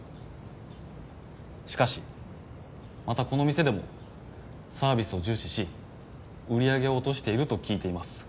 しかしまたこの店でもサービスを重視し売り上げを落としていると聞いています。